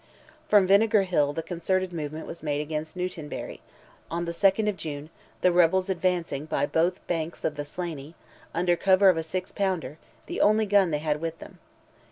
From Vinegar Hill the concerted movement was made against Newtonbarry, on the 2nd of June, the rebels advancing by both banks of the Slaney, under cover of a six pounder—the only gun they had with them.